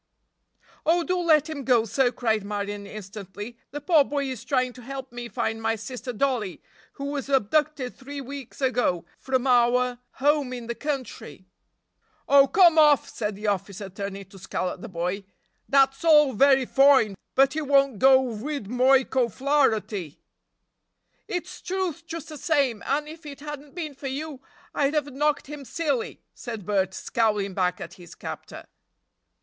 "Oh, do let him go, sir," cried Marion instantly. "The poor boy is trying to help me find my sister Dollie, who was abducted three weeks ago from our home in the country!" "Oh, come off!" said the officer, turning to scowl at the boy. "Dat's all very foine, but it don't go wid Moike O'Flarrity." "It's truth just the same, and if it hadn't been for you I'd have knocked him silly," said Bert, scowling back at his captor.